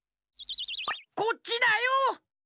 こっちだよ！